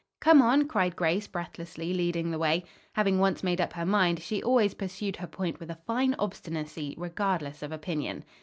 "Come on," cried Grace breathlessly, leading the way. Having once made up her mind, she always pursued her point with a fine obstinacy regardless of opinion.